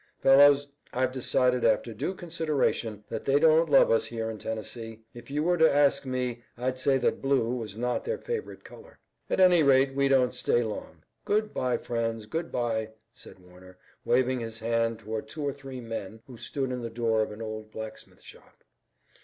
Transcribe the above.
Fellows, I've decided after due consideration that they don't love us here in Tennessee. If you were to ask me I'd say that blue was not their favorite color." "At any rate we don't stay long. Good bye, friends, good bye," said Warner, waving his hand toward two or three men who stood in the door of an old blacksmith shop.